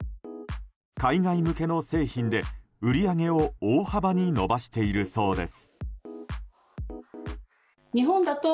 海外向けの製品で、売り上げを大幅に伸ばしているそうです。